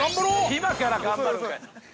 ◆今から頑張るんかい。